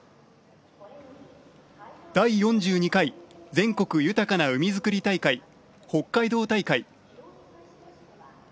「第４２回全国豊かな海づくり大会北海道大会」。